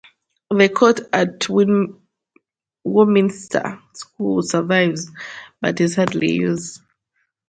The court at Warminster School survives but is rarely used.